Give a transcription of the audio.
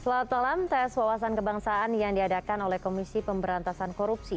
selamat malam tes wawasan kebangsaan yang diadakan oleh komisi pemberantasan korupsi